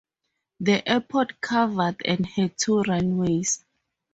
The airport covered and had two runways.